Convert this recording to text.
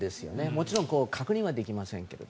もちろん確認はできませんけど。